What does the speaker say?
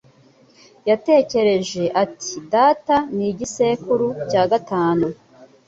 Yatekereje ati: "Data ni igisekuru cya gatanu."